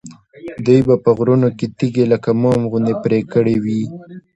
دوی به په غرونو کې تیږې لکه موم غوندې پرې کړې وي.